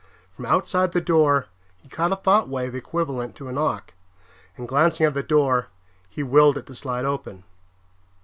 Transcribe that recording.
From outside the door he caught a thought wave equivalent to a knock, and, glancing at the door, he willed it to slide open.